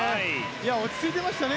落ち着いていましたね